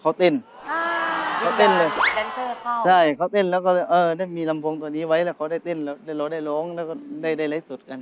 เขาเต้นเลยใช่เขาเต้นแล้วก็ได้มีลำโพงตัวนี้ไว้แล้วเขาได้เต้นแล้วเราได้ร้องแล้วก็ได้ไร้สุดกัน